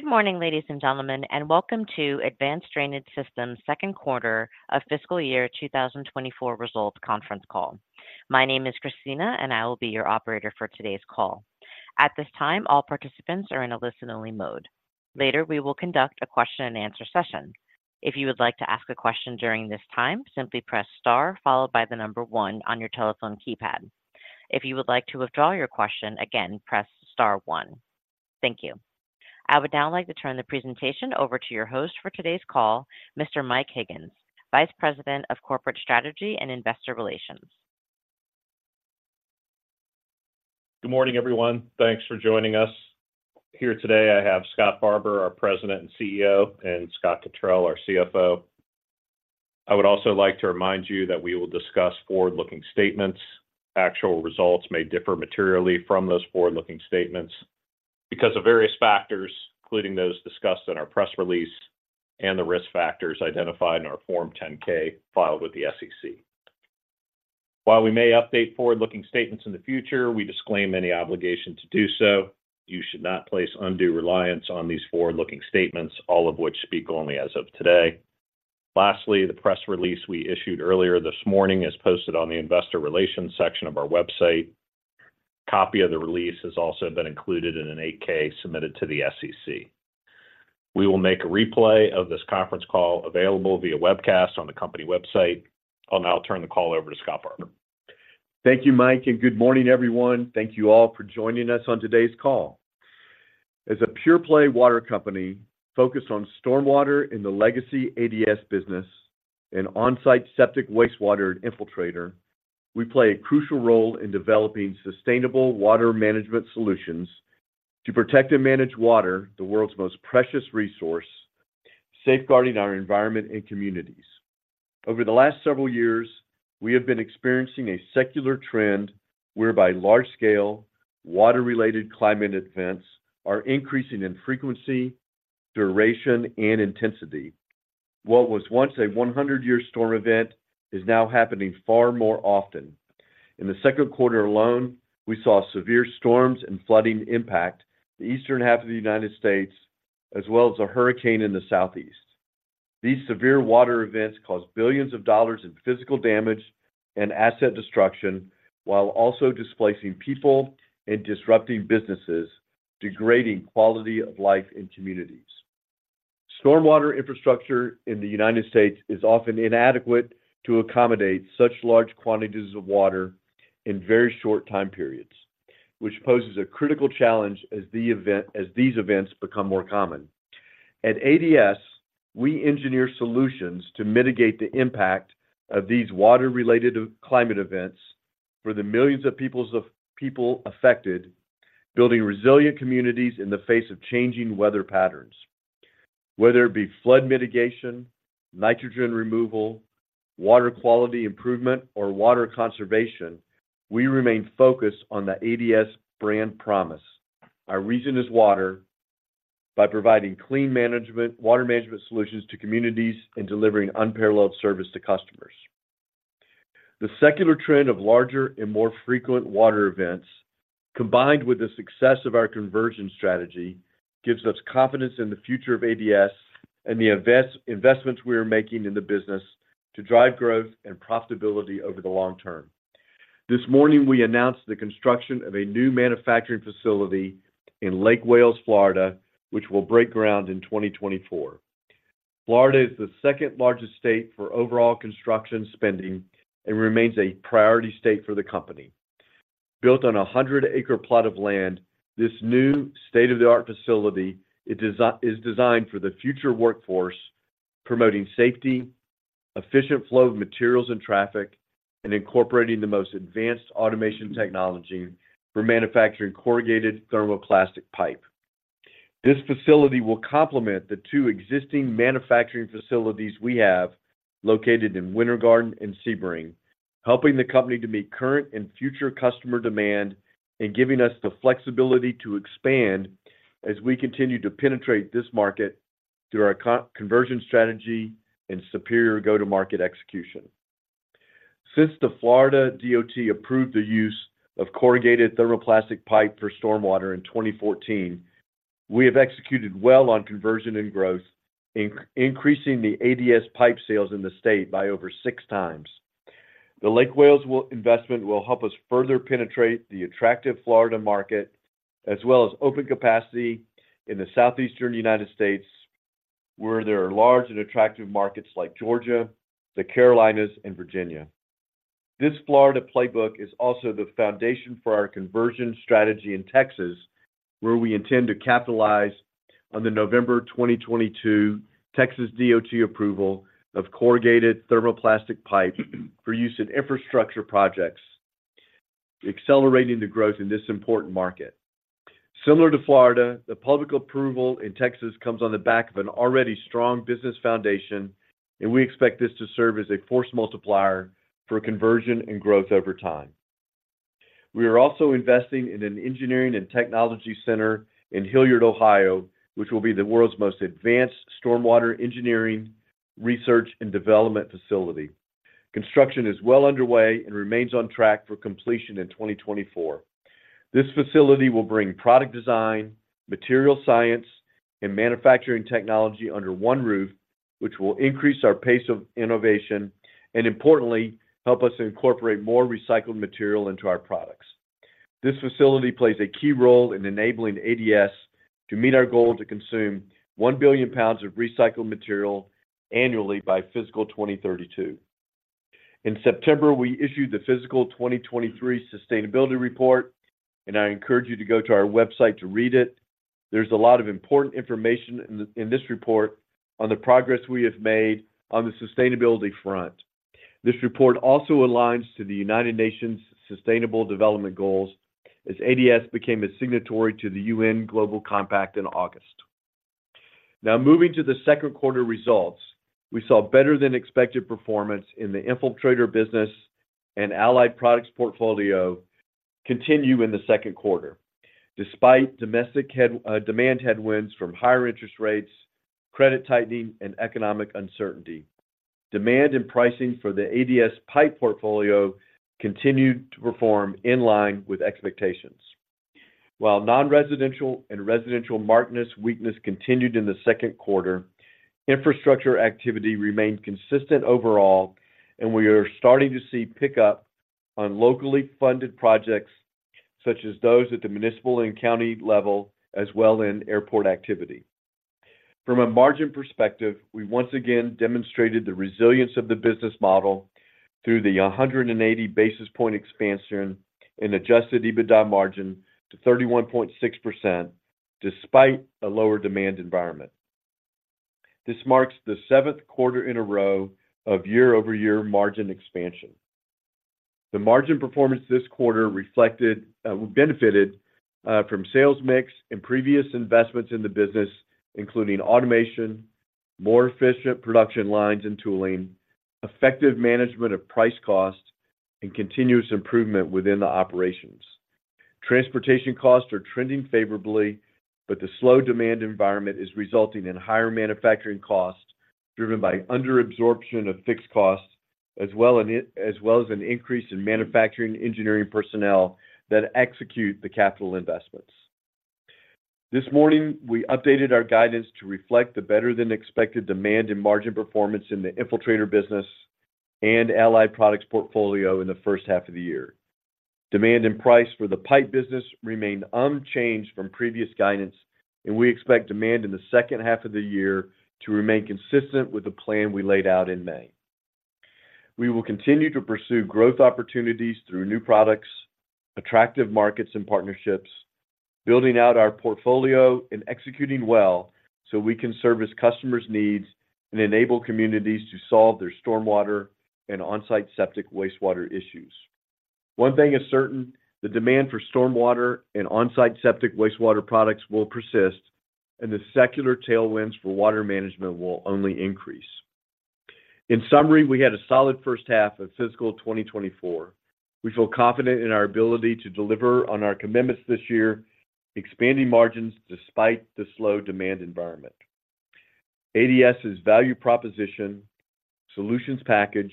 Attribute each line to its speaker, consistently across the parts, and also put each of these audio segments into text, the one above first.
Speaker 1: Good morning, ladies and gentlemen, and welcome to Advanced Drainage Systems Second Quarter of Fiscal Year 2024 results conference call. My name is Christina, and I will be your operator for today's call. At this time, all participants are in a listen-only mode. Later, we will conduct a question and answer session. If you would like to ask a question during this time, simply press star followed by the number one on your telephone keypad. If you would like to withdraw your question again, press star one. Thank you. I would now like to turn the presentation over to your host for today's call, Mr. Mike Higgins, Vice President of Corporate Strategy and Investor Relations.
Speaker 2: Good morning, everyone. Thanks for joining us. Here today, I have Scott Barbour, our President and CEO, and Scott Cottrill, our CFO. I would also like to remind you that we will discuss forward-looking statements. Actual results may differ materially from those forward-looking statements because of various factors, including those discussed in our press release and the risk factors identified in our Form 10-K filed with the SEC. While we may update forward-looking statements in the future, we disclaim any obligation to do so. You should not place undue reliance on these forward-looking statements, all of which speak only as of today. Lastly, the press release we issued earlier this morning is posted on the investor relations section of our website. A copy of the release has also been included in a Form 8-K submitted to the SEC. We will make a replay of this conference call available via webcast on the company website. I'll now turn the call over to Scott Barbour.
Speaker 3: Thank you, Mike, and good morning, everyone. Thank you all for joining us on today's call. As a pure-play water company focused on stormwater in the legacy ADS business and on-site septic wastewater Infiltrator, we play a crucial role in developing sustainable water management solutions to protect and manage water, the world's most precious resource, safeguarding our environment and communities. Over the last several years, we have been experiencing a secular trend whereby large-scale, water-related climate events are increasing in frequency, duration, and intensity. What was once a 100-year storm event is now happening far more often. In the second quarter alone, we saw severe storms and flooding impact the eastern half of the United States, as well as a hurricane in the southeast. These severe water events caused billions of dollars in physical damage and asset destruction, while also displacing people and disrupting businesses, degrading quality of life in communities. Stormwater infrastructure in the United States is often inadequate to accommodate such large quantities of water in very short time periods, which poses a critical challenge as these events become more common. At ADS, we engineer solutions to mitigate the impact of these water-related climate events for the millions of people affected, building resilient communities in the face of changing weather patterns. Whether it be flood mitigation, nitrogen removal, water quality improvement, or water conservation, we remain focused on the ADS brand promise. Our reason is water by providing clean management, water management solutions to communities and delivering unparalleled service to customers. The secular trend of larger and more frequent water events, combined with the success of our conversion strategy, gives us confidence in the future of ADS and the investments we are making in the business to drive growth and profitability over the long term. This morning, we announced the construction of a new manufacturing facility in Lake Wales, Florida, which will break ground in 2024. Florida is the second-largest state for overall construction spending and remains a priority state for the company. Built on a 100 ac plot of land, this new state-of-the-art facility is designed for the future workforce, promoting safety, efficient flow of materials and traffic, and incorporating the most advanced automation technology for manufacturing corrugated thermoplastic pipe. This facility will complement the two existing manufacturing facilities we have located in Winter Garden and Sebring, helping the company to meet current and future customer demand and giving us the flexibility to expand as we continue to penetrate this market through our conversion strategy and superior go-to-market execution. Since the Florida DOT approved the use of corrugated thermoplastic pipe for stormwater in 2014, we have executed well on conversion and growth, increasing the ADS pipe sales in the state by over six times. The Lake Wales investment will help us further penetrate the attractive Florida market, as well as open capacity in the southeastern United States, where there are large and attractive markets like Georgia, the Carolinas, and Virginia. This Florida playbook is also the foundation for our conversion strategy in Texas, where we intend to capitalize on the November 2022 Texas DOT approval of corrugated thermoplastic pipe for use in infrastructure projects, accelerating the growth in this important market. Similar to Florida, the public approval in Texas comes on the back of an already strong business foundation, and we expect this to serve as a force multiplier for conversion and growth over time. We are also investing in an engineering and technology center in Hilliard, Ohio, which will be the world's most advanced stormwater engineering, research, and development facility. Construction is well underway and remains on track for completion in 2024. This facility will bring product design, material science, and manufacturing technology under one roof, which will increase our pace of innovation and importantly, help us incorporate more recycled material into our products. This facility plays a key role in enabling ADS to meet our goal to consume 1 billion lbs of recycled material annually by fiscal 2032. In September, we issued the Fiscal 2023 Sustainability Report, and I encourage you to go to our website to read it. There's a lot of important information in this report on the progress we have made on the sustainability front. This report also aligns to the United Nations Sustainable Development Goals, as ADS became a signatory to the U.N. Global Compact in August. Now, moving to the second quarter results, we saw better-than-expected performance in the Infiltrator business and Allied Products portfolio continue in the second quarter. Despite domestic demand headwinds from higher interest rates, credit tightening, and economic uncertainty, demand and pricing for the ADS pipe portfolio continued to perform in line with expectations. While non-residential and residential market weakness continued in the second quarter, infrastructure activity remained consistent overall, and we are starting to see pickup on locally funded projects, such as those at the municipal and county level, as well in airport activity. From a margin perspective, we once again demonstrated the resilience of the business model through the 180 basis point expansion in Adjusted EBITDA margin to 31.6%, despite a lower demand environment. This marks the seventh quarter in a row of year-over-year margin expansion. The margin performance this quarter reflected, benefited, from sales mix and previous investments in the business, including automation, more efficient production lines and tooling, effective management of Price Cost, and continuous improvement within the operations. Transportation costs are trending favorably, but the slow demand environment is resulting in higher manufacturing costs, driven by under absorption of fixed costs, as well as an increase in manufacturing engineering personnel that execute the capital investments. This morning, we updated our guidance to reflect the better-than-expected demand and margin performance in the Infiltrator business and Allied Products portfolio in the first half of the year. Demand and price for the pipe business remained unchanged from previous guidance, and we expect demand in the second half of the year to remain consistent with the plan we laid out in May. We will continue to pursue growth opportunities through new products, attractive markets and partnerships, building out our portfolio and executing well so we can service customers' needs and enable communities to solve their stormwater and on-site septic wastewater issues. One thing is certain, the demand for stormwater and on-site septic wastewater products will persist, and the secular tailwinds for water management will only increase. In summary, we had a solid first half of fiscal 2024. We feel confident in our ability to deliver on our commitments this year, expanding margins despite the slow demand environment. ADS's value proposition, solutions package,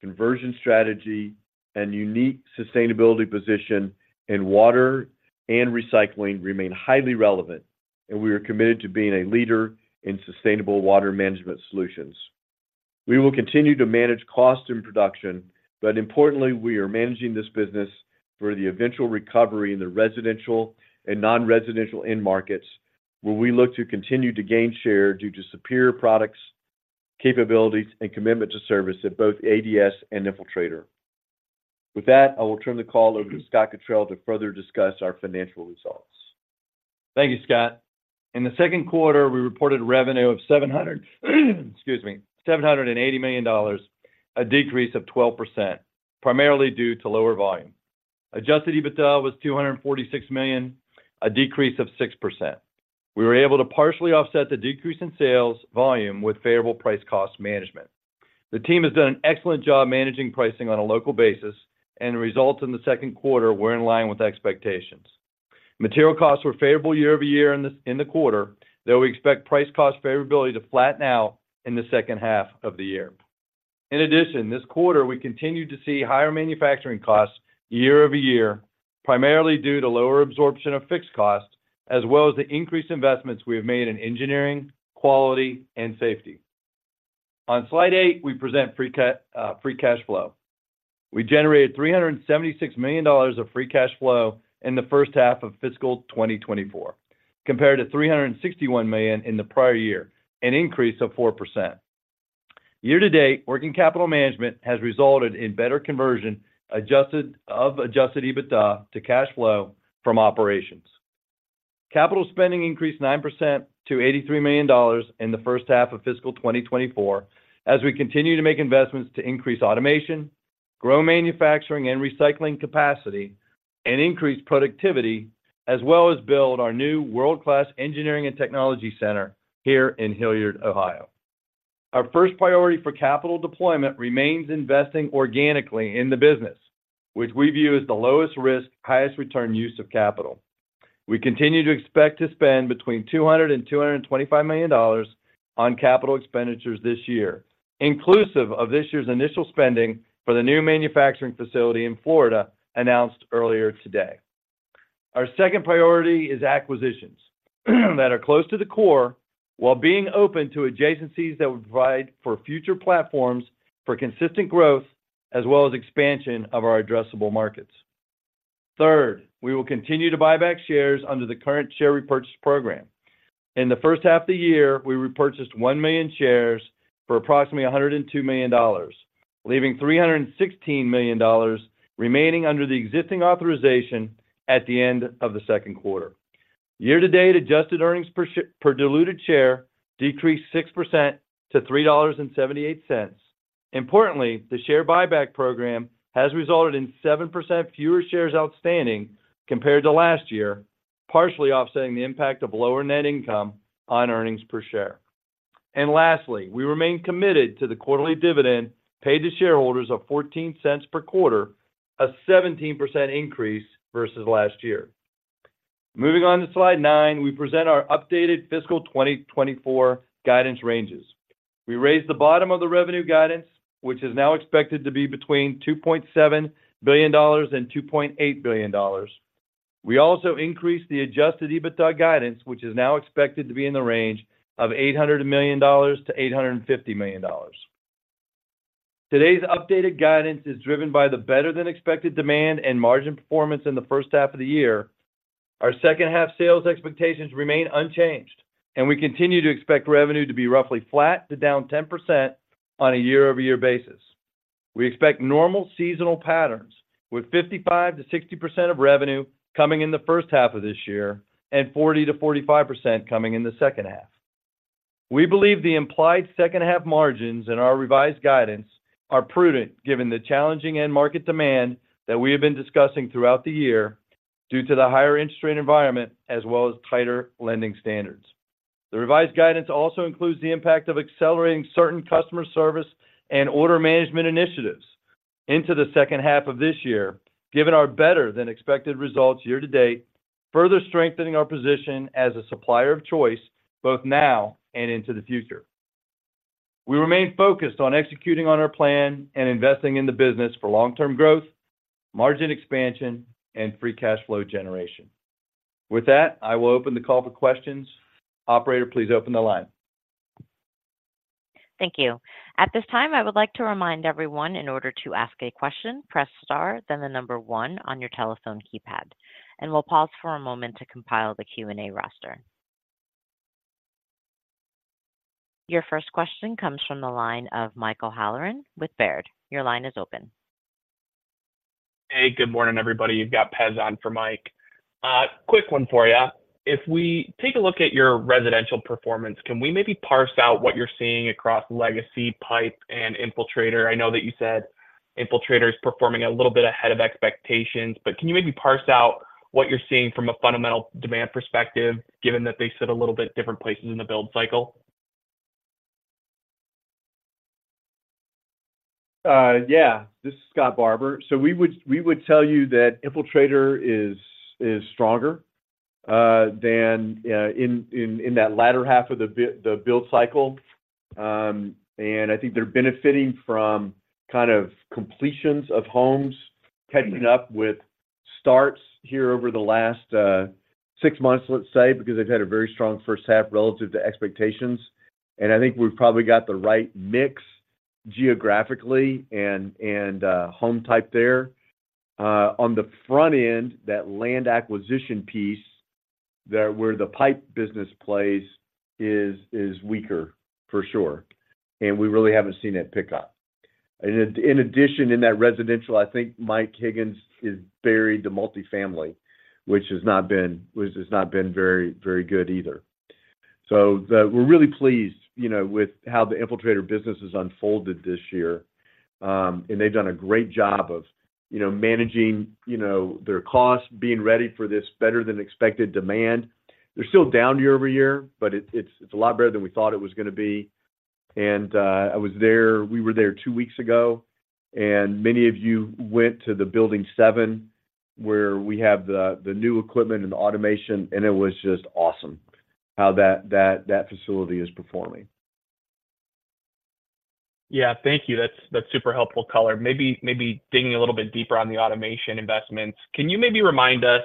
Speaker 3: conversion strategy, and unique sustainability position in water and recycling remain highly relevant, and we are committed to being a leader in sustainable water management solutions. We will continue to manage cost and production, but importantly, we are managing this business for the eventual recovery in the residential and non-residential end markets, where we look to continue to gain share due to superior products, capabilities, and commitment to service at both ADS and Infiltrator. With that, I will turn the call over to Scott Cottrill to further discuss our financial results.
Speaker 4: Thank you, Scott. In the second quarter, we reported revenue of $780 million, a decrease of 12%, primarily due to lower volume. Adjusted EBITDA was $246 million, a decrease of 6%. We were able to partially offset the decrease in sales volume with favorable price cost management. The team has done an excellent job managing pricing on a local basis, and the results in the second quarter were in line with expectations. Material costs were favorable year-over-year in the quarter, though we expect price cost favorability to flatten out in the second half of the year. In addition, this quarter, we continued to see higher manufacturing costs year-over-year, primarily due to lower absorption of fixed costs, as well as the increased investments we have made in engineering, quality, and safety. On slide eight, we present free cash flow. We generated $376 million of free cash flow in the first half of fiscal 2024, compared to $361 million in the prior year, an increase of 4%. Year to date, working capital management has resulted in better conversion of Adjusted EBITDA to cash flow from operations. Capital spending increased 9% to $83 million in the first half of fiscal 2024, as we continue to make investments to increase automation, grow manufacturing and recycling capacity, and increase productivity, as well as build our new world-class engineering and technology center here in Hilliard, Ohio. Our first priority for capital deployment remains investing organically in the business, which we view as the lowest risk, highest return use of capital. We continue to expect to spend between $200 million and $225 million on capital expenditures this year, inclusive of this year's initial spending for the new manufacturing facility in Florida, announced earlier today. Our second priority is acquisitions, that are close to the core, while being open to adjacencies that would provide for future platforms for consistent growth, as well as expansion of our addressable markets. Third, we will continue to buy back shares under the current share repurchase program. In the first half of the year, we repurchased 1 million shares for approximately $102 million, leaving $316 million remaining under the existing authorization at the end of the second quarter. Year to date, adjusted earnings per diluted share decreased 6% to $3.78. Importantly, the share buyback program has resulted in 7% fewer shares outstanding compared to last year, partially offsetting the impact of lower net income on earnings per share. Lastly, we remain committed to the quarterly dividend paid to shareholders of $0.14 per quarter, a 17% increase versus last year. Moving on to slide 9, we present our updated fiscal 2024 guidance ranges. We raised the bottom of the revenue guidance, which is now expected to be between $2.7 billion and $2.8 billion. We also increased the Adjusted EBITDA guidance, which is now expected to be in the range of $800 million-$850 million. Today's updated guidance is driven by the better-than-expected demand and margin performance in the first half of the year. Our second half sales expectations remain unchanged, and we continue to expect revenue to be roughly flat to down 10% on a year-over-year basis. We expect normal seasonal patterns, with 55%-60% of revenue coming in the first half of this year and 40%-45% coming in the second half. We believe the implied second half margins in our revised guidance are prudent, given the challenging end market demand that we have been discussing throughout the year, due to the higher interest rate environment as well as tighter lending standards. The revised guidance also includes the impact of accelerating certain customer service and order management initiatives into the second half of this year, given our better-than-expected results year to date, further strengthening our position as a supplier of choice both now and into the future. We remain focused on executing on our plan and investing in the business for long-term growth, margin expansion, and free cash flow generation. With that, I will open the call for questions. Operator, please open the line.
Speaker 1: Thank you. At this time, I would like to remind everyone, in order to ask a question, press star, then one on your telephone keypad, and we'll pause for a moment to compile the Q&A roster. Your first question comes from the line of Michael Halloran with Baird. Your line is open.
Speaker 5: Hey, good morning, everybody. You've got Pez on for Mike. Quick one for you. If we take a look at your residential performance, can we maybe parse out what you're seeing across legacy, pipe, and Infiltrator? I know that you said Infiltrator is performing a little bit ahead of expectations, but can you maybe parse out what you're seeing from a fundamental demand perspective, given that they sit a little bit different places in the build cycle?
Speaker 3: Yeah. This is Scott Barbour. So we would tell you that Infiltrator is stronger than in that latter half of the build cycle. And I think they're benefiting from kind of completions of homes, catching up with starts here over the last six months, let's say, because they've had a very strong first half relative to expectations. And I think we've probably got the right mix geographically and home type there. On the front end, that land acquisition piece, there where the pipe business plays is weaker, for sure, and we really haven't seen that pick up. In addition, in that residential, I think Mike Higgins is buried to multifamily, which has not been very, very good either. So we're really pleased, you know, with how the Infiltrator business has unfolded this year. And they've done a great job of, you know, managing, you know, their costs, being ready for this better-than-expected demand. They're still down year-over-year, but it's a lot better than we thought it was gonna be. And I was there. We were there two weeks ago, and many of you went to the Building Seven, where we have the new equipment and automation, and it was just awesome how that facility is performing.
Speaker 5: Yeah. Thank you. That's, that's super helpful color. Maybe, maybe digging a little bit deeper on the automation investments, can you maybe remind us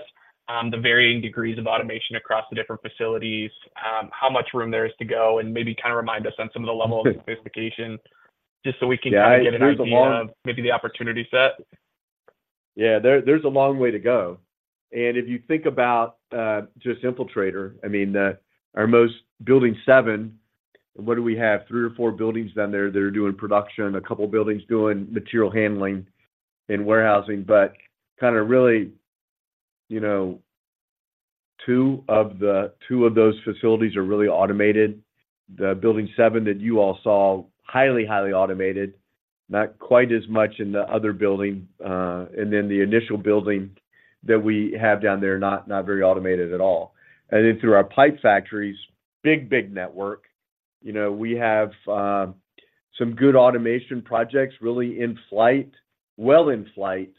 Speaker 5: the varying degrees of automation across the different facilities, how much room there is to go, and maybe kind of remind us on some of the level of sophistication, just so we can kind of get an idea of maybe the opportunity set?
Speaker 3: Yeah, there, there's a long way to go. And if you think about just Infiltrator, I mean, the, our most Building Seven, what do we have? 3 or 4 buildings down there that are doing production, a couple buildings doing material handling and warehousing. But kind of really, you know, two of those facilities are really automated. The Building Seven that you all saw, highly, highly automated, not quite as much in the other building. And then the initial building that we have down there, not very automated at all. And then through our pipe factories, big, big network, you know, we have some good automation projects really in flight, well in flight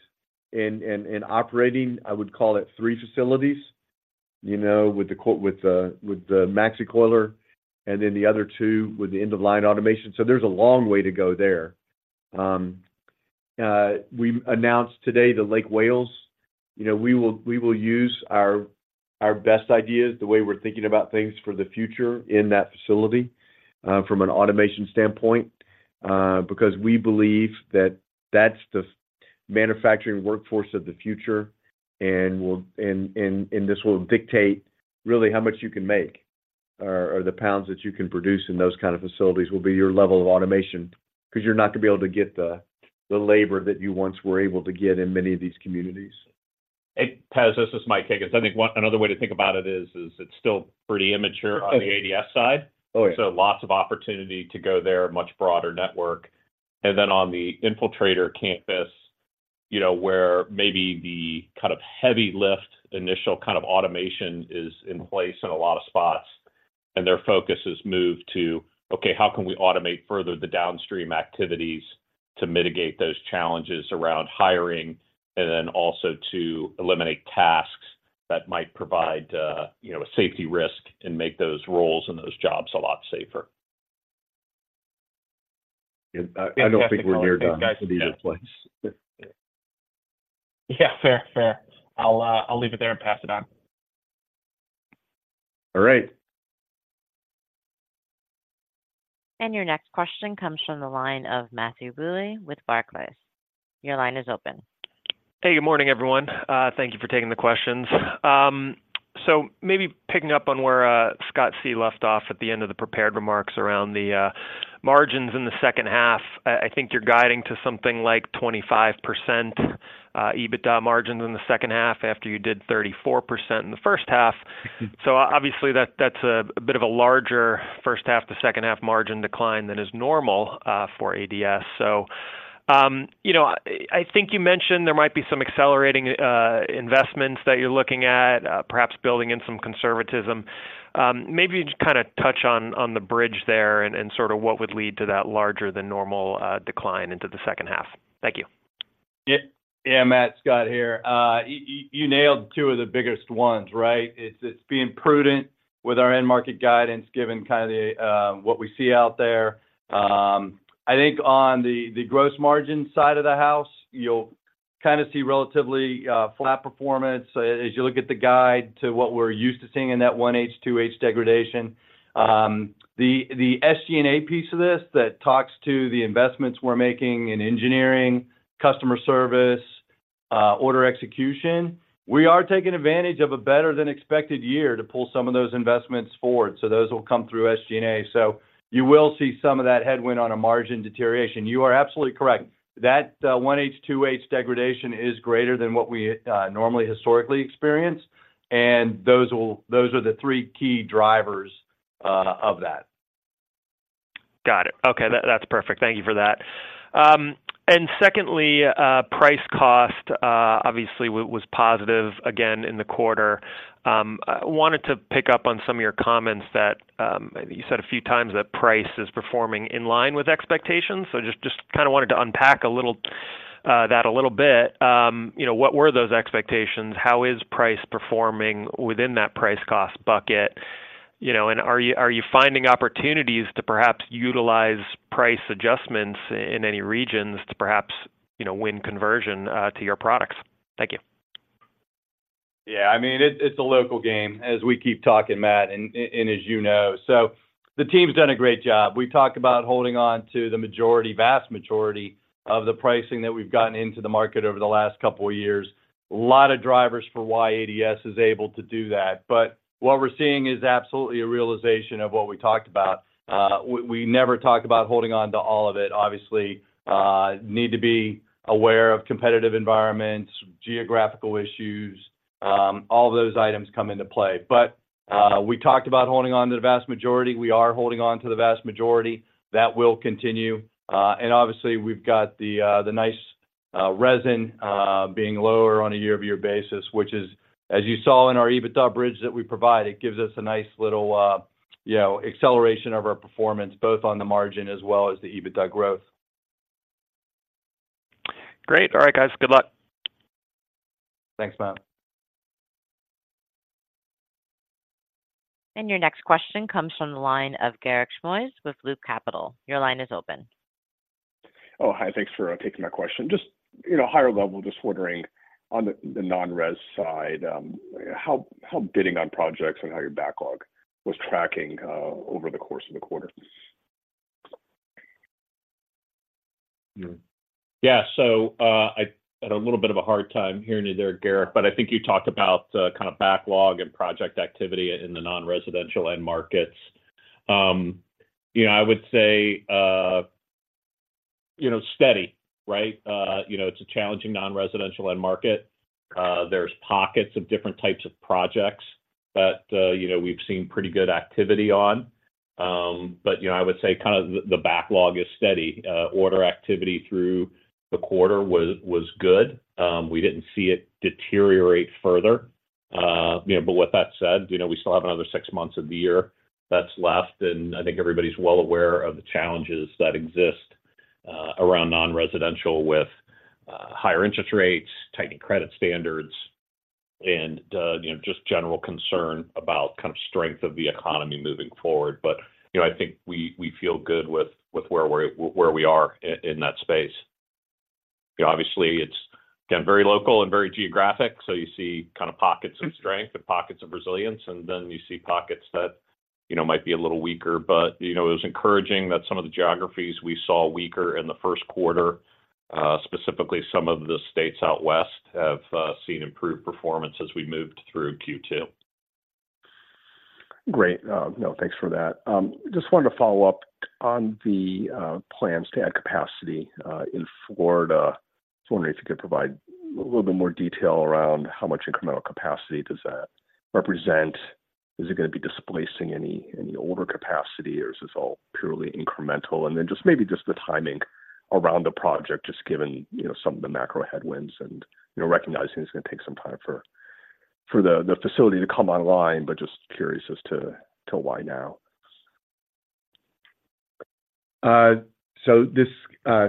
Speaker 3: and operating. I would call it 3 facilities, you know, with the maxi coiler, and then the other two with the end-of-line automation. So there's a long way to go there. We announced today the Lake Wales, you know, we will use our best ideas, the way we're thinking about things for the future in that facility from an automation standpoint. Because we believe that that's the manufacturing workforce of the future, and this will dictate really how much you can make or the pounds that you can produce in those kind of facilities will be your level of automation, 'cause you're not gonna be able to get the labor that you once were able to get in many of these communities.
Speaker 2: Hey, Pez, this is Mike Higgins. I think another way to think about it is, it's still pretty immature on the ADS side. So lots of opportunity to go there, a much broader network. And then on the Infiltrator campus, you know, where maybe the kind of heavy lift, initial kind of automation is in place in a lot of spots, and their focus has moved to: Okay, how can we automate further the downstream activities to mitigate those challenges around hiring, and then also to eliminate tasks that might provide, you know, a safety risk and make those roles and those jobs a lot safer?
Speaker 5: Yeah, fair, fair. I'll leave it there and pass it on.
Speaker 2: All right.
Speaker 1: Your next question comes from the line of Matthew Bouley with Barclays. Your line is open.
Speaker 6: Hey, good morning, everyone. Thank you for taking the questions. So maybe picking up on where Scott C. left off at the end of the prepared remarks around the margins in the second half. I, I think you're guiding to something like 25% EBITDA margins in the second half, after you did 34% in the first half.
Speaker 4: Mm-hmm.
Speaker 6: So obviously, that's a bit of a larger first half to second half margin decline than is normal for ADS. So, you know, I think you mentioned there might be some accelerating investments that you're looking at, perhaps building in some conservatism. Maybe just kind of touch on the bridge there and sort of what would lead to that larger than normal decline into the second half. Thank you.
Speaker 4: Yeah, yeah, Matt, Scott here. You, you, you nailed two of the biggest ones, right? It's, it's being prudent with our end market guidance, given kind of the what we see out there. I think on the gross margin side of the house, you'll kind of see relatively flat performance as you look at the guide to what we're used to seeing in that 1H, 2H degradation. The SG&A piece of this that talks to the investments we're making in engineering, customer service, order execution, we are taking advantage of a better than expected year to pull some of those investments forward. So those will come through SG&A. So you will see some of that headwind on a margin deterioration. You are absolutely correct. That 1H, 2H degradation is greater than what we normally historically experience, and those are the three key drivers of that.
Speaker 6: Got it. Okay, that's perfect. Thank you for that. And secondly, price cost obviously was positive again in the quarter. I wanted to pick up on some of your comments that you said a few times that price is performing in line with expectations. So just kind of wanted to unpack that a little bit. You know, what were those expectations? How is price performing within that price cost bucket? You know, and are you finding opportunities to perhaps utilize price adjustments in any regions to perhaps, you know, win conversion to your products? Thank you.
Speaker 4: Yeah, I mean, it's a local game, as we keep talking, Matt, and as you know. So the team's done a great job. We talked about holding on to the majority, vast majority of the pricing that we've gotten into the market over the last couple of years. A lot of drivers for why ADS is able to do that, but what we're seeing is absolutely a realization of what we talked about. We never talked about holding on to all of it. Obviously, need to be aware of competitive environments, geographical issues, all those items come into play. But, we talked about holding on to the vast majority. We are holding on to the vast majority. That will continue and obviously, we've got the nice resin being lower on a year-over-year basis, which is, as you saw in our EBITDA bridge that we provide, it gives us a nice little, you know, acceleration of our performance, both on the margin as well as the EBITDA growth.
Speaker 6: Great. All right, guys. Good luck.
Speaker 4: Thanks, Matt.
Speaker 1: Your next question comes from the line of Garik Shmois with Loop Capital. Your line is open.
Speaker 7: Oh, hi, thanks for taking my question. Just, you know, higher level, just wondering on the, the non-res side, how, how bidding on projects and how your backlog was tracking over the course of the quarter?
Speaker 2: Yeah. So, I had a little bit of a hard time hearing you there, Garik, but I think you talked about kind of backlog and project activity in the non-residential end markets. You know, I would say you know, steady, right? You know, it's a challenging non-residential end market. There's pockets of different types of projects that you know, we've seen pretty good activity on. But, you know, I would say kind of the, the backlog is steady. Order activity through the quarter was, was good. We didn't see it deteriorate further. You know, but with that said, you know, we still have another six months of the year that's left, and I think everybody's well aware of the challenges that exist around non-residential with higher interest rates, tightening credit standards, and you know, just general concern about kind of strength of the economy moving forward. But, you know, I think we feel good with where we are in that space. You know, obviously, it's again, very local and very geographic, so you see kind of pockets of strength and pockets of resilience, and then you see pockets that, you know, might be a little weaker. But, you know, it was encouraging that some of the geographies we saw weaker in the first quarter, specifically some of the states out west, have seen improved performance as we moved through Q2.
Speaker 7: Great. No, thanks for that. Just wanted to follow up on the plans to add capacity in Florida. Just wondering if you could provide a little bit more detail around how much incremental capacity does that represent? Is it gonna be displacing any older capacity, or is this all purely incremental? And then just maybe just the timing around the project, just given, you know, some of the macro headwinds and, you know, recognizing it's gonna take some time for the facility to come online, but just curious as to why now?
Speaker 3: So,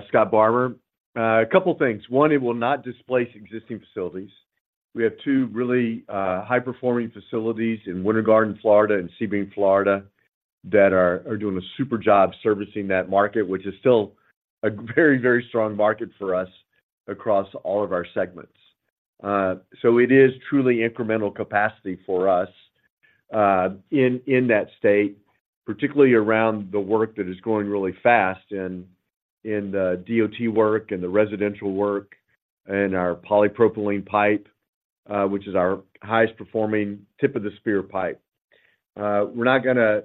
Speaker 3: Scott Barbour. A couple of things. One, it will not displace existing facilities. We have two really high-performing facilities in Winter Garden, Florida, and Sebring, Florida, that are doing a super job servicing that market, which is still a very, very strong market for us across all of our segments. So it is truly incremental capacity for us in that state, particularly around the work that is going really fast in the DOT work, and the residential work, and our polypropylene pipe, which is our highest performing tip of the spear pipe. We're not gonna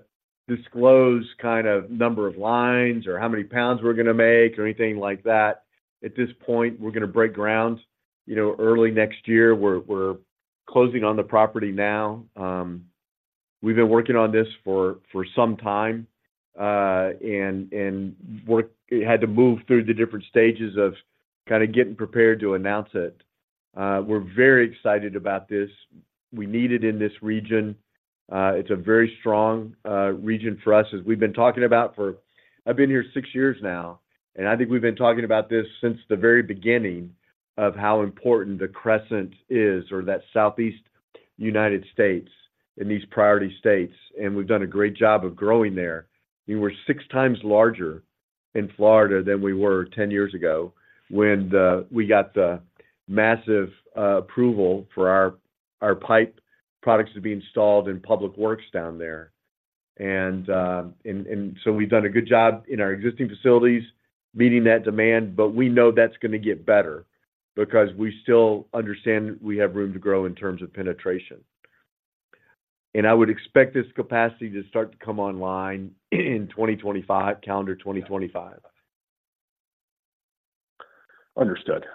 Speaker 3: disclose kind of number of lines or how many pounds we're gonna make or anything like that. At this point, we're gonna break ground, you know, early next year. We're closing on the property now. We've been working on this for some time, and had to move through the different stages of kind of getting prepared to announce it. We're very excited about this. We need it in this region. It's a very strong region for us, as we've been talking about for... I've been here six years now, and I think we've been talking about this since the very beginning of how important the Crescent is, or that Southeast United States and these priority states, and we've done a great job of growing there. We were six times larger in Florida than we were 10 years ago when we got the massive approval for our pipe products to be installed in public works down there. And so we've done a good job in our existing facilities, meeting that demand, but we know that's gonna get better because we still understand we have room to grow in terms of penetration. And I would expect this capacity to start to come online in 2025, calendar 2025.
Speaker 7: Understood.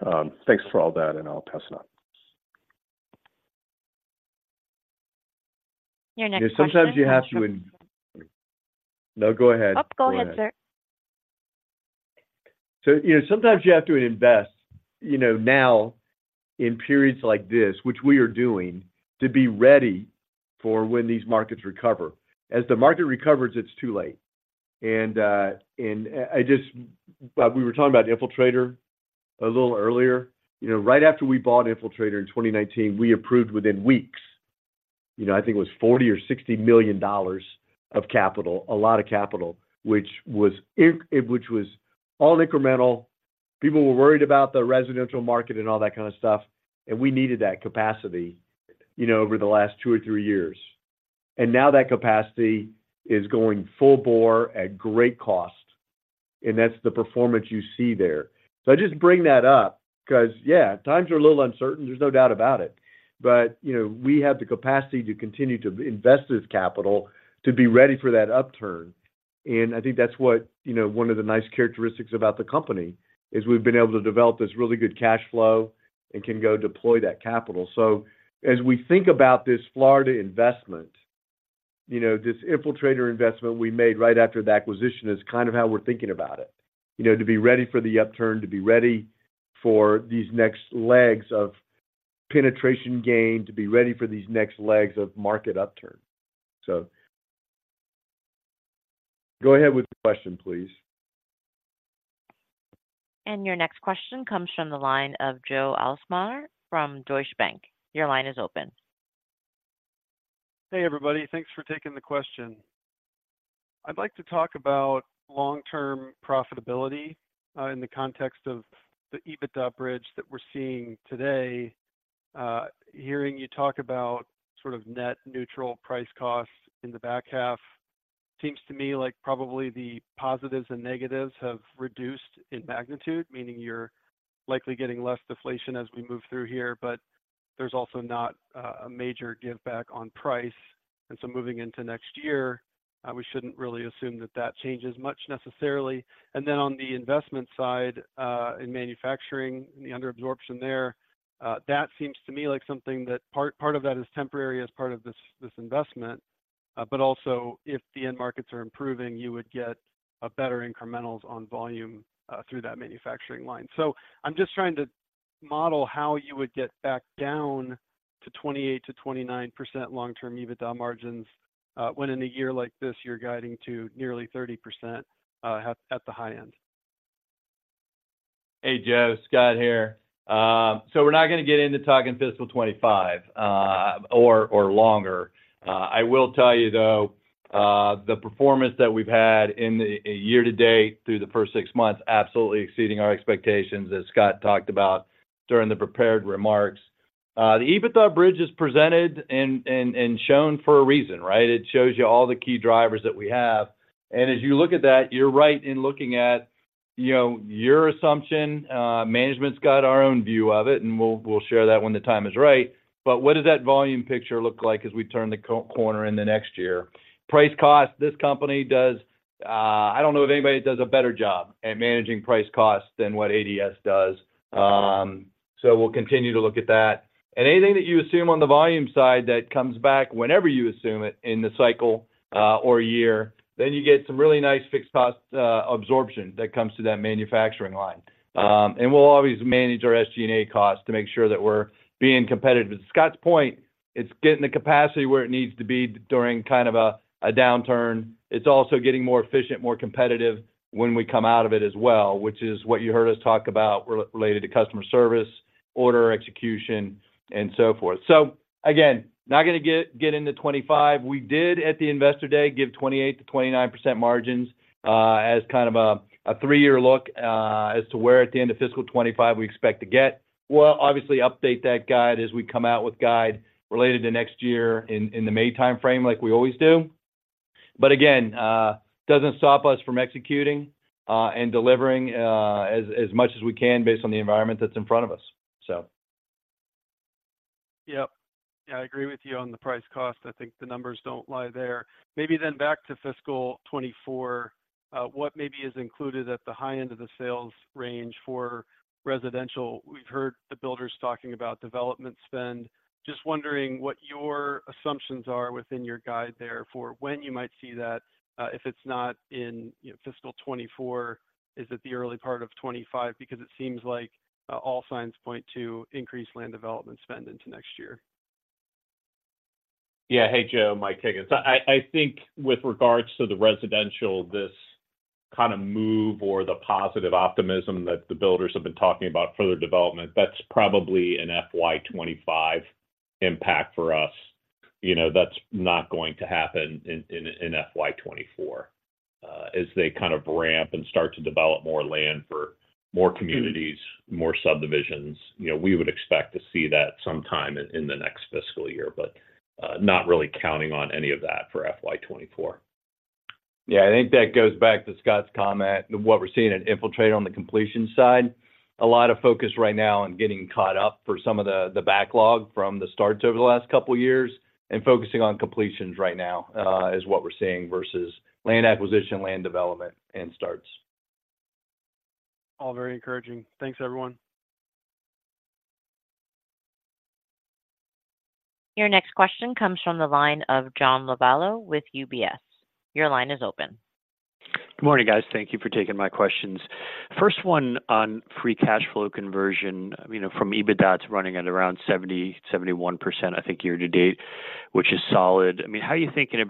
Speaker 7: Thanks for all that, and I'll pass it on.
Speaker 1: Your next question-
Speaker 3: Sometimes you have to. No, go ahead.
Speaker 1: Oh, go ahead, sir.
Speaker 3: So, you know, sometimes you have to invest, you know, now in periods like this, which we are doing, to be ready for when these markets recover. As the market recovers, it's too late. And, we were talking about Infiltrator a little earlier. You know, right after we bought Infiltrator in 2019, we approved within weeks, you know, I think it was $40 million or $60 million of capital, a lot of capital, which was all incremental. People were worried about the residential market and all that kind of stuff, and we needed that capacity, you know, over the last two or three years. And now that capacity is going full bore at great cost, and that's the performance you see there. So I just bring that up because, yeah, times are a little uncertain, there's no doubt about it. But, you know, we have the capacity to continue to invest this capital to be ready for that upturn. And I think that's what, you know, one of the nice characteristics about the company is we've been able to develop this really good cash flow and can go deploy that capital. So as we think about this Florida investment, you know, this Infiltrator investment we made right after the acquisition is kind of how we're thinking about it. You know, to be ready for the upturn, to be ready for these next legs of penetration gain, to be ready for these next legs of market upturn. So go ahead with the question, please.
Speaker 1: Your next question comes from the line of Joe Ahlersmeyer from Deutsche Bank. Your line is open.
Speaker 8: Hey, everybody. Thanks for taking the question. I'd like to talk about long-term profitability in the context of the EBITDA bridge that we're seeing today. Hearing you talk about sort of net neutral price costs in the back half, seems to me like probably the positives and negatives have reduced in magnitude, meaning you're likely getting less deflation as we move through here, but there's also not a major giveback on price. And so moving into next year, we shouldn't really assume that that changes much necessarily. And then on the investment side, in manufacturing and the under absorption there, that seems to me like something that part of that is temporary as part of this investment, but also if the end markets are improving, you would get a better incrementals on volume through that manufacturing line. I'm just trying to model how you would get back down to 28%-29% long-term EBITDA margins, when in a year like this, you're guiding to nearly 30%, at the high end?
Speaker 3: Hey, Joe, Scott here. So we're not gonna get into talking fiscal 2025, or longer. I will tell you, though, the performance that we've had in the year-to-date through the first 6 months, absolutely exceeding our expectations, as Scott talked about during the prepared remarks. The EBITDA bridge is presented and shown for a reason, right? It shows you all the key drivers that we have. And as you look at that, you're right in looking at, you know, your assumption. Management's got our own view of it, and we'll share that when the time is right. But what does that volume picture look like as we turn the corner in the next year? Price cost, this company does. I don't know if anybody does a better job at managing price costs than what ADS does. So we'll continue to look at that. Anything that you assume on the volume side that comes back whenever you assume it in the cycle or year, then you get some really nice fixed cost absorption that comes to that manufacturing line. And we'll always manage our SG&A costs to make sure that we're being competitive. To Scott's point, it's getting the capacity where it needs to be during kind of a downturn. It's also getting more efficient, more competitive when we come out of it as well, which is what you heard us talk about related to customer service, order execution, and so forth. So again, not gonna get into 2025. We did, at the Investor Day, give 28%-29% margins, as kind of a three-year look, as to where at the end of fiscal 2025 we expect to get. We'll obviously update that guide as we come out with guide related to next year in the May timeframe like we always do. But again, doesn't stop us from executing, and delivering, as much as we can based on the environment that's in front of us, so.
Speaker 8: Yep. Yeah, I agree with you on the price cost. I think the numbers don't lie there. Maybe then back to fiscal 2024, what maybe is included at the high end of the sales range for residential? We've heard the builders talking about development spend. Just wondering what your assumptions are within your guide there for when you might see that, if it's not in, you know, fiscal 2024, is it the early part of 2025? Because it seems like, all signs point to increased land development spend into next year.
Speaker 2: Yeah. Hey, Joe, Mike Higgins. I think with regards to the residential, this kind of move or the positive optimism that the builders have been talking about further development, that's probably an FY 2025 impact for us. You know, that's not going to happen in FY 2024. As they kind of ramp and start to develop more land for more communities, more subdivisions, you know, we would expect to see that sometime in the next fiscal year, but not really counting on any of that for FY 2024.Yeah, I think that goes back to Scott's comment, what we're seeing at Infiltrator on the completion side. A lot of focus right now on getting caught up for some of the backlog from the starts over the last couple of years, and focusing on completions right now is what we're seeing versus land acquisition, land development, and starts.
Speaker 8: All very encouraging. Thanks, everyone.
Speaker 1: Your next question comes from the line of John Lovallo with UBS. Your line is open.
Speaker 9: Good morning, guys. Thank you for taking my questions. First one on free cash flow conversion. You know, from EBITDA, it's running at around 70%-71%, I think, year to date, which is solid. I mean, how are you thinking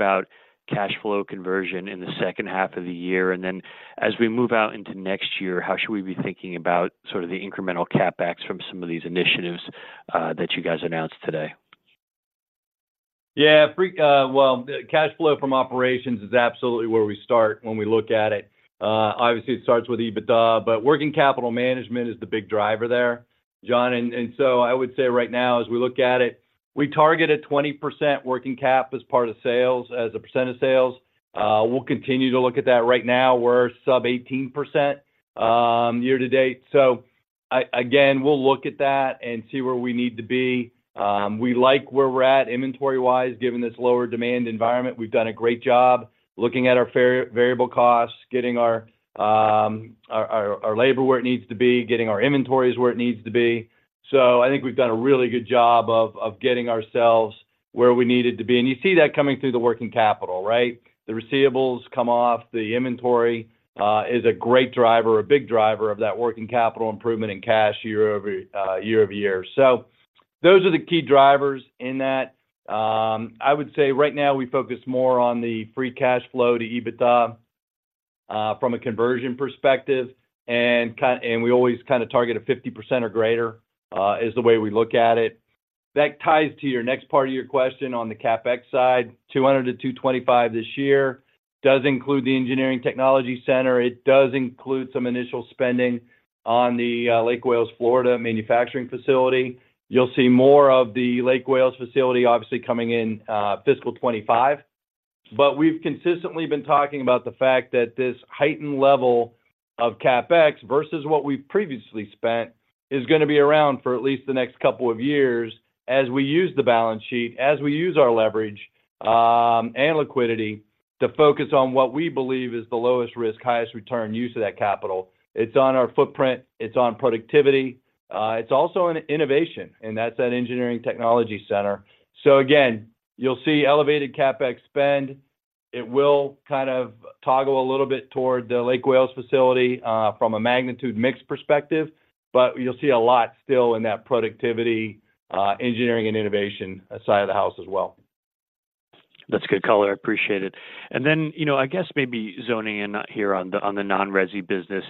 Speaker 9: about cash flow conversion in the second half of the year? And then as we move out into next year, how should we be thinking about sort of the incremental CapEx from some of these initiatives that you guys announced today?
Speaker 3: Yeah, cash flow from operations is absolutely where we start when we look at it. Obviously, it starts with EBITDA, but working capital management is the big driver there, John. And so I would say right now, as we look at it, we target a 20% working cap as part of sales, as a percent of sales. We'll continue to look at that. Right now, we're sub 18%, year to date. So again, we'll look at that and see where we need to be. We like where we're at inventory-wise, given this lower demand environment. We've done a great job looking at our variable costs, getting our labor where it needs to be, getting our inventories where it needs to be. So I think we've done a really good job of getting ourselves where we needed to be, and you see that coming through the working capital, right? The receivables come off. The inventory is a great driver, a big driver of that working capital improvement in cash year-over-year. So those are the key drivers in that. I would say right now, we focus more on the free cash flow to EBITDA from a conversion perspective, and we always kind of target a 50% or greater is the way we look at it. That ties to your next part of your question on the CapEx side, $200-$225 this year does include the Engineering Technology Center. It does include some initial spending on the Lake Wales, Florida, manufacturing facility. You'll see more of the Lake Wales facility, obviously, coming in, fiscal 2025. But we've consistently been talking about the fact that this heightened level of CapEx versus what we've previously spent is gonna be around for at least the next couple of years as we use the balance sheet, as we use our leverage, and liquidity to focus on what we believe is the lowest risk, highest return use of that capital. It's on our footprint, it's on productivity. It's also an innovation, and that's that Engineering and Technology Center. So again, you'll see elevated CapEx spend. It will kind of toggle a little bit toward the Lake Wales facility, from a magnitude mix perspective, but you'll see a lot still in that productivity, engineering and innovation side of the house as well.
Speaker 9: That's good color. I appreciate it. And then, you know, I guess maybe zeroing in here on the non-resi business.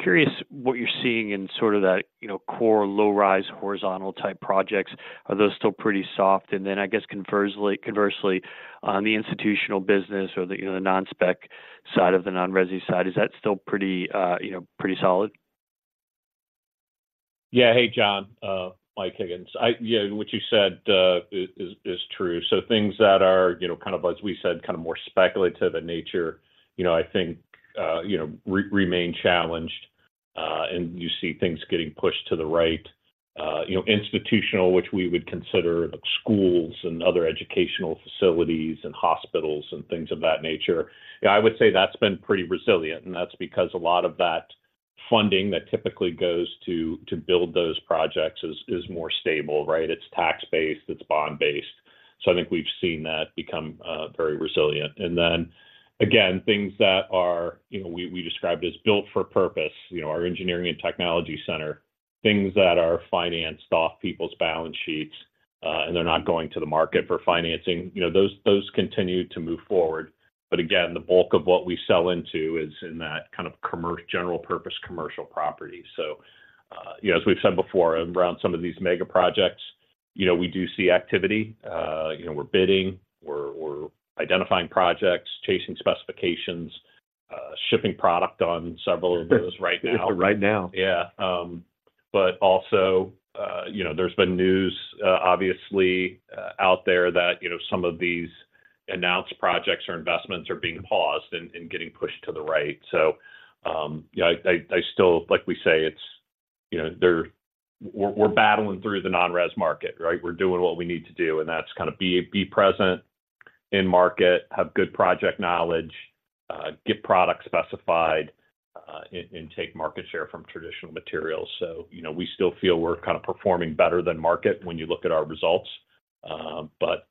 Speaker 9: Curious what you're seeing in sort of that, you know, core, low-rise, horizontal-type projects. Are those still pretty soft? And then, I guess, conversely, on the institutional business or the, you know, the non-spec side of the non-resi side, is that still pretty, you know, pretty solid?
Speaker 2: Yeah. Hey, John, Mike Higgins. I yeah, what you said is true. So things that are, you know, kind of, as we said, kind of more speculative in nature, you know, I think, you know, remain challenged, and you see things getting pushed to the right. You know, institutional, which we would consider schools and other educational facilities and hospitals and things of that nature, yeah, I would say that's been pretty resilient, and that's because a lot of that funding that typically goes to build those projects is more stable, right? It's tax-based, it's bond-based. So I think we've seen that become very resilient. Then again, things that are, you know, we described as built for purpose, you know, our engineering and technology center, things that are financed off people's balance sheets, and they're not going to the market for financing, you know, those continue to move forward. But again, the bulk of what we sell into is in that kind of general purpose, commercial property. So, you know, as we've said before, around some of these mega projects, you know, we do see activity. You know, we're bidding, we're identifying projects, chasing specifications, shipping product on several of those right now. Yeah. But also, you know, there's been news, obviously, out there that, you know, some of these announced projects or investments are being paused and getting pushed to the right. So, I still—like we say, it's, you know, we're battling through the non-res market, right? We're doing what we need to do, and that's kind of be present in market, have good project knowledge, get product specified, and take market share from traditional materials. So, you know, we still feel we're kind of performing better than market when you look at our results, but,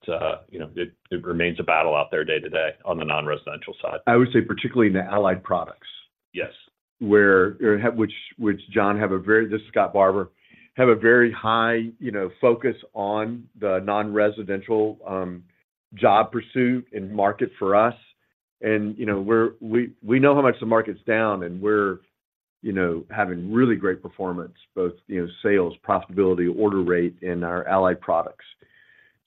Speaker 2: you know, it remains a battle out there day to day on the non-residential side.
Speaker 3: I would say particularly in the Allied Products where, which, which John have a very—this is Scott Barbour, have a very high, you know, focus on the non-residential job pursuit and market for us. And, you know, we're—we, we know how much the market's down, and we're, you know, having really great performance, both, you know, sales, profitability, order rate in our Allied Products.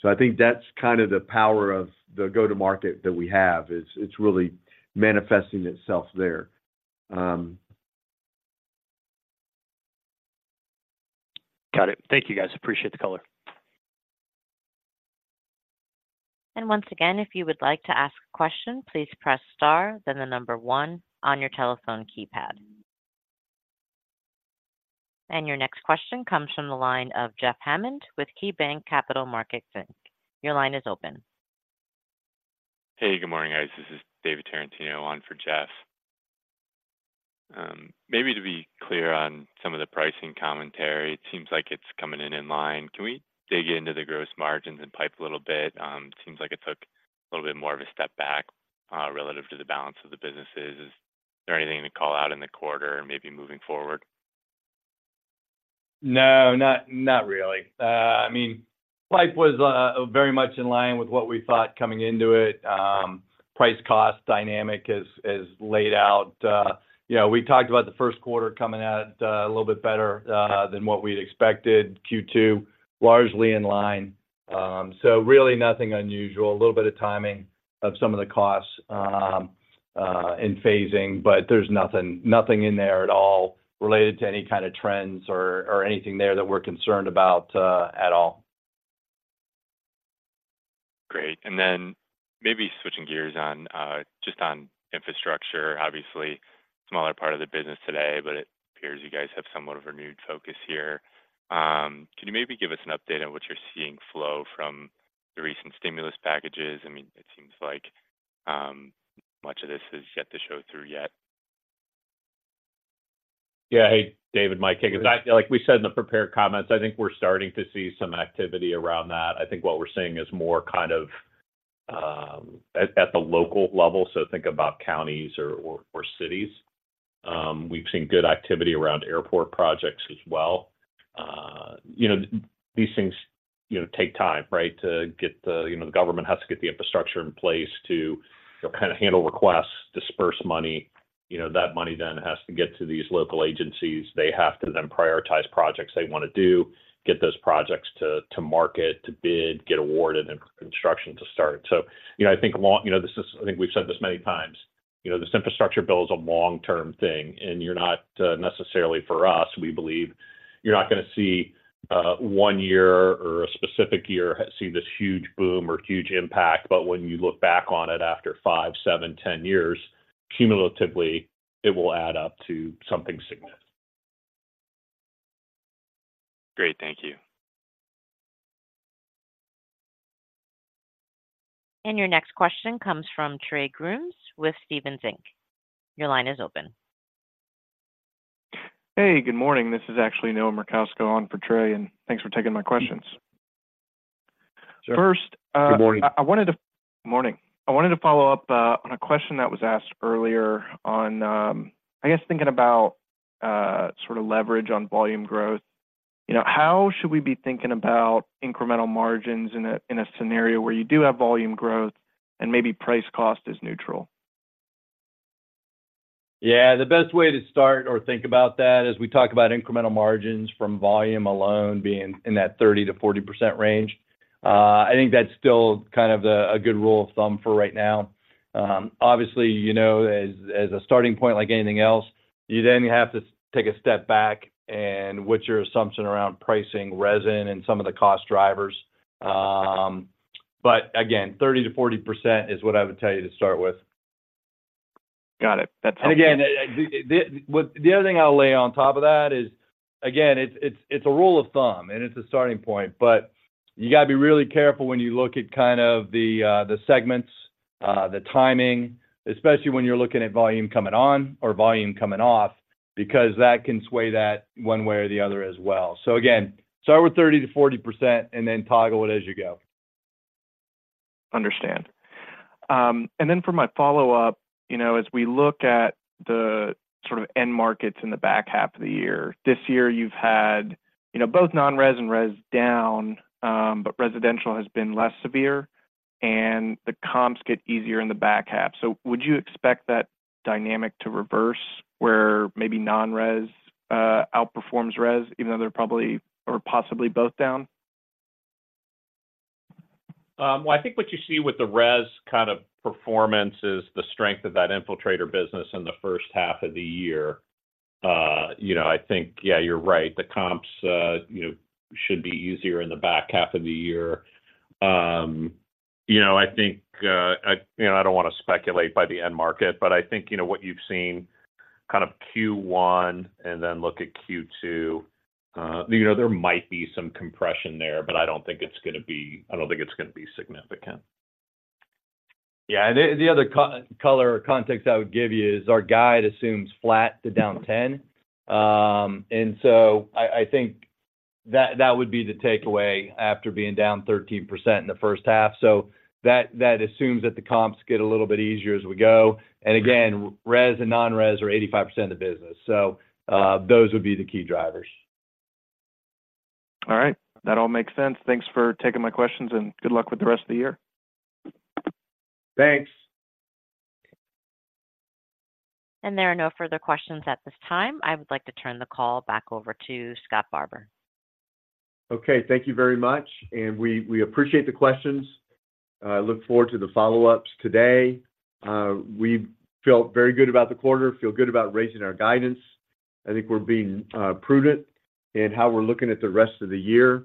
Speaker 3: So I think that's kind of the power of the go-to-market that we have. It's, it's really manifesting itself there.
Speaker 9: Got it. Thank you, guys. Appreciate the color.
Speaker 1: Once again, if you would like to ask a question, please press star, then the number one on your telephone keypad. Your next question comes from the line of Jeff Hammond with KeyBanc Capital Markets Inc. Your line is open.
Speaker 10: Hey, good morning, guys. This is David Tarantino on for Jeff. Maybe to be clear on some of the pricing commentary, it seems like it's coming in in line. Can we dig into the gross margins and pipe a little bit? Seems like it took a little bit more of a step back, uh, relative to the balance of the businesses. Is there anything to call out in the quarter and maybe moving forward?
Speaker 3: No, not, not really. I mean, pipe was very much in line with what we thought coming into it. Price cost dynamic is laid out. You know, we talked about the first quarter coming out a little bit better than what we'd expected. Q2, largely in line. So really nothing unusual. A little bit of timing of some of the costs in phasing, but there's nothing, nothing in there at all related to any kind of trends or anything there that we're concerned about at all.
Speaker 10: Great. And then maybe switching gears on just on infrastructure. Obviously, smaller part of the business today, but it appears you guys have somewhat of a renewed focus here. Can you maybe give us an update on what you're seeing flow from the recent stimulus packages? I mean, it seems like much of this has yet to show through yet.
Speaker 2: Yeah. Hey, David, Mike Higgins. Like we said in the prepared comments, I think we're starting to see some activity around that. I think what we're seeing is more kind of, at, at the local level, so think about counties or, or, or cities. We've seen good activity around airport projects as well. You know, these things, you know, take time, right? To get the, you know, the government has to get the infrastructure in place to kind of handle requests, disperse money. You know, that money then has to get to these local agencies. They have to then prioritize projects they want to do, get those projects to, to market, to bid, get awarded, and construction to start. So, you know, I think long, you know, this is— I think we've said this many times, you know, this infrastructure bill is a long-term thing, and you're not, necessarily for us, we believe you're not gonna see, one year or a specific year see this huge boom or huge impact, but when you look back on it after five, seven, 10 years, cumulatively, it will add up to something significant.
Speaker 10: Great. Thank you.
Speaker 1: And your next question comes from Trey Grooms with Stephens Inc. Your line is open.
Speaker 11: Hey, good morning. This is actually Noah Merkousko on for Trey, and thanks for taking my questions. I wanted to follow up on a question that was asked earlier on, I guess, thinking about sort of leverage on volume growth. You know, how should we be thinking about incremental margins in a scenario where you do have volume growth and maybe price cost is neutral?
Speaker 3: Yeah, the best way to start or think about that is we talk about incremental margins from volume alone being in that 30%-40% range. I think that's still kind of a good rule of thumb for right now. Obviously, you know, as a starting point, like anything else, you then have to take a step back and what's your assumption around pricing resin and some of the cost drivers. But again, 30%-40% is what I would tell you to start with.
Speaker 11: Got it. That's helpful.
Speaker 3: And again, the other thing I'll lay on top of that is, again, it's a rule of thumb, and it's a starting point, but you got to be really careful when you look at kind of the segments, the timing, especially when you're looking at volume coming on or volume coming off, because that can sway that one way or the other as well. So again, start with 30%-40% and then toggle it as you go.
Speaker 11: Understand. And then for my follow-up, you know, as we look at the sort of end markets in the back half of the year, this year you've had, you know, both non-res and res down, but residential has been less severe and the comps get easier in the back half. So would you expect that dynamic to reverse where maybe non-res outperforms res, even though they're probably or possibly both down?
Speaker 2: Well, I think what you see with the res kind of performance is the strength of that Infiltrator business in the first half of the year. You know, I think, yeah, you're right. The comps, you know, should be easier in the back half of the year. You know, I think, I, you know, I don't want to speculate by the end market, but I think, you know, what you've seen kind of Q1 and then look at Q2, you know, there might be some compression there, but I don't think it's gonna be, I don't think it's gonna be significant.
Speaker 3: Yeah, the other color or context I would give you is our guide assumes flat to down 10%. And so I think that would be the takeaway after being down 13% in the first half. So that assumes that the comps get a little bit easier as we go. And again, res and non-res are 85% of the business, so those would be the key drivers.
Speaker 11: All right. That all makes sense. Thanks for taking my questions, and good luck with the rest of the year.
Speaker 3: Thanks.
Speaker 1: There are no further questions at this time. I would like to turn the call back over to Scott Barbour.
Speaker 3: Okay, thank you very much, and we appreciate the questions. I look forward to the follow-ups today. We felt very good about the quarter, feel good about raising our guidance. I think we're being prudent in how we're looking at the rest of the year.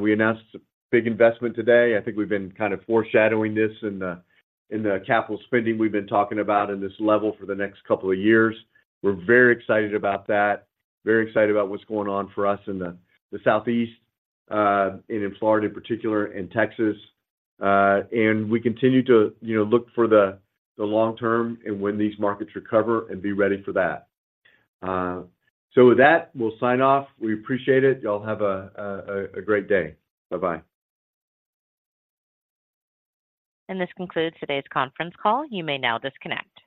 Speaker 3: We announced a big investment today. I think we've been kind of foreshadowing this in the capital spending we've been talking about in this level for the next couple of years. We're very excited about that, very excited about what's going on for us in the Southeast, and in Florida in particular, and Texas. And we continue to, you know, look for the long term and when these markets recover and be ready for that. So with that, we'll sign off. We appreciate it. You all have a great day. Bye-bye.
Speaker 1: This concludes today's conference call. You may now disconnect.